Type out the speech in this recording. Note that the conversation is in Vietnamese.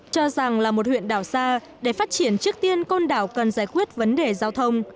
cho rằng là một huyện đảo xa để phát triển trước tiên con đảo cần giải quyết vấn đề giao thông